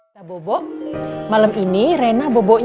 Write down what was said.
tadi mama sarah telepon